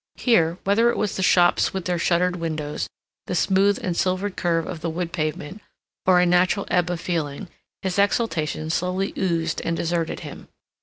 Here, whether it was the shops with their shuttered windows, the smooth and silvered curve of the wood pavement, or a natural ebb of feeling, his exaltation slowly oozed and deserted him.